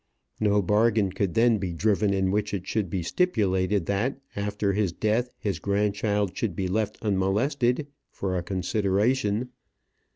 No bargain could then be driven in which it should be stipulated that after his death his grandchild should be left unmolested for a consideration.